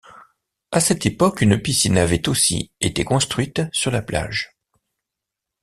À cette époque une piscine avait aussi été construite sur la plage.